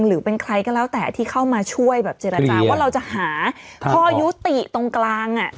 หรือเป็นใครก็แล้วแต่ที่เข้ามาช่วยแบบเจรจาว่าเราจะหาข้อยุติตรงกลาง